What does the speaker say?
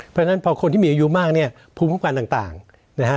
เพราะฉะนั้นพอคนที่มีอายุมากเนี่ยภูมิคุ้มกันต่างนะฮะ